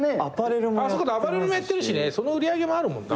アパレルもやってるしねその売り上げもあるもんな。